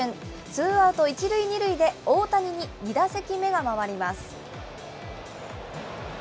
ツーアウト１塁２塁で大谷に２打席目が回ります。